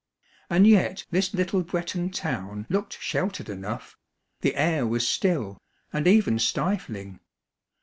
And yet this little Breton town looked sheltered enough ; the air was still, and even stifling.